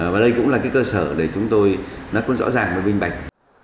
và đây cũng là cái cơ sở để chúng tôi nó cũng rõ ràng và vinh bạch